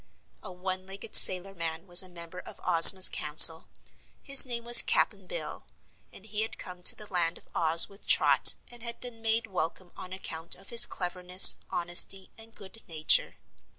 A one legged sailor man was a member of Ozma's council. His name was Cap'n Bill and he had come to the Land of Oz with Trot, and had been made welcome on account of his cleverness, honesty and good nature.